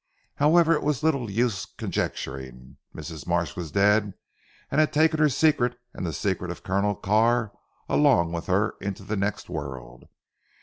However it was little use conjecturing. Mrs. Marsh was dead and had taken her secret and the secret of Colonel Carr along with her into the next world.